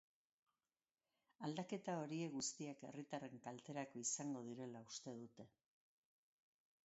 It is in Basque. Aldaketa horiek guztiak herritarren kalterako izango direla uste dute.